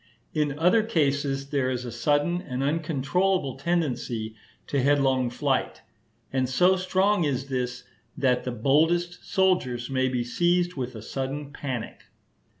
In other cases there is a sudden and uncontrollable tendency to headlong flight; and so strong is this, that the boldest soldiers may be seized with a sudden panic.